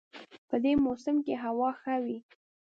په دې موسم کې هوا ښه وي